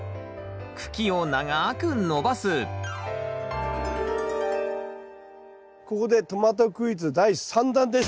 茎を長く伸ばすここでトマトクイズ第３弾です。